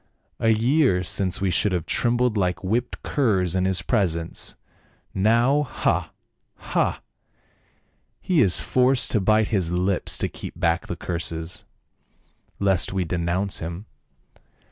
A year since we should have trem bled like whipped curs in his presence ; now — ha ! ha ! he is forced to bite his lips to keep back the curses, 192 PAUL. lest we denounce him.